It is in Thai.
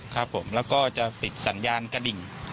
ครับผมแล้วก็จะติดสัญญาณกระดิ่ง